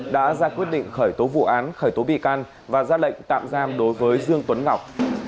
đã ra quyết định khởi tố vụ án khởi tố bị can và ra lệnh tạm giam đối với dương tuấn ngọc